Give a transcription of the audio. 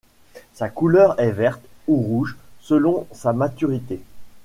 Sa couleur est verte ou rouge, selon sa maturité.